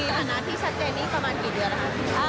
ฐานะที่ชัดเจนนี่ประมาณกี่เดือนนะคะ